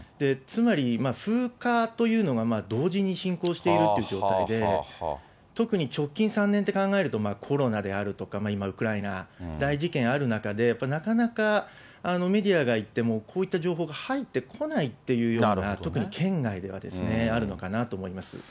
つまり風化というのが同時に進行しているという状態で、特に直近３年って考えると、コロナであるとか、今、ウクライナ、大事件ある中で、やっぱりなかなか、メディアが言っても、こういった情報が入ってこないっていうようなことが、特に県外ではですね、あるのかなと思います。